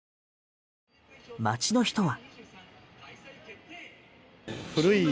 街の人は。